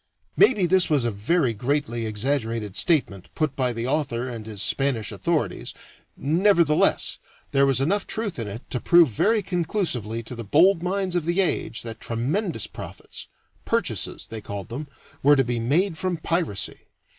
Maybe this was a very greatly exaggerated statement put by the author and his Spanish authorities, nevertheless there was enough truth in it to prove very conclusively to the bold minds of the age that tremendous profits "purchases" they called them were to be made from piracy.